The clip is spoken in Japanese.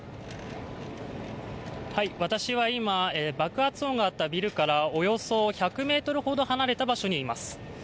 私は今、爆発音があったビルからおよそ１００ｍほど離れた場所にいます。